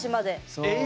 そう。